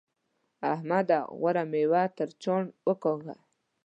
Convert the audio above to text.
احمده! غوره مېوه تر چاڼ وکاږه.